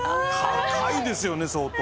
高いですよね相当。